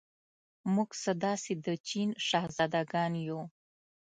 موږ څه داسې د چین شهزادګان یو.